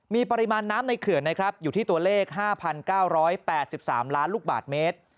มีปริมาณน้ำในเขื่อนนะครับอยู่ที่ตัวเลข๕๙๘๓ล้านลูกบาทเมตร